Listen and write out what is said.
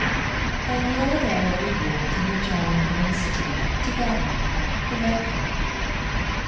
... A year ago we walked in the jangling city Together .... forgetful.